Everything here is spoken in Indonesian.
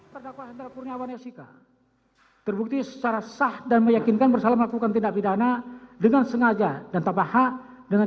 terdakwa hendra kurniawan esika terbukti secara sah dan meyakinkan bersalah melakukan perintangan